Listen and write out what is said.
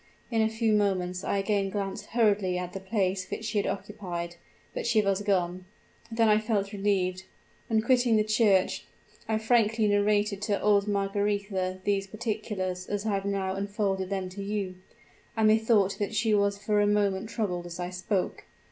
In a few moments I again glanced hurriedly at the place which she had occupied but she was gone. Then I felt relieved! On quitting the church, I frankly narrated to old Margaretha these particulars as I have now unfolded them to you; and methought that she was for a moment troubled as I spoke!